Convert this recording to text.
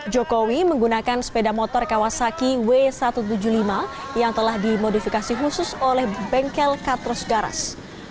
jokowi menggunakan sepeda motor kawasaki w satu ratus tujuh puluh lima yang telah dimodifikasi khusus oleh bengkel katros garas